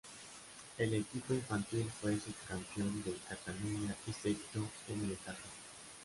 El equipo infantil fue subcampeón de Cataluña y sexto en el estatal.